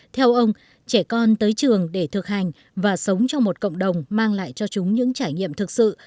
theo ông trẻ con tới trường để thực hành và sống trong một cộng đồng mang lại cho chúng những trải nghiệm thực sự